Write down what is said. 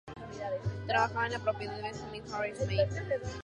Trabajaba en la propiedad de Benjamin Harris May.